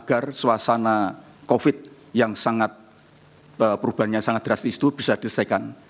agar suasana covid yang perubahannya sangat drastis itu bisa diselesaikan